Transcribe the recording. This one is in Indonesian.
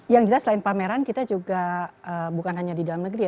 yang jelas selain pameran kita juga bukan hanya di dalam negeri